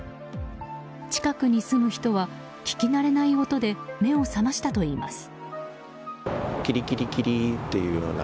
近くに住む人は聞き慣れない音で目を覚ましたといいます。